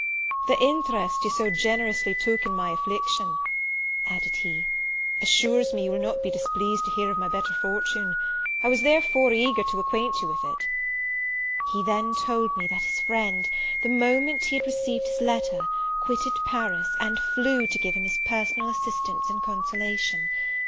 "The interest you so generously took in my affliction," added he, "assures me you will not be displeased to hear of my better fortune; I was therefore eager to acquaint you with it." He then told me that his friend, the moment he had received his letter, quitted Paris, and flew to give him his personal assistance and consolation.